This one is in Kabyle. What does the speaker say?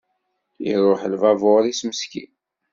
Iruḥ lbabur-is meskin.